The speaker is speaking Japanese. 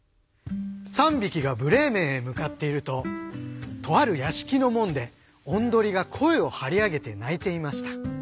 ３匹がブレーメンへ向かっているととある屋敷の門でおんどりが声を張り上げて鳴いていました。